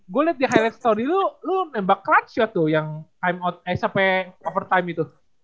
gue liat di highlight story lu lu nembak clutch ya tuh yang time out eh sampe over time itu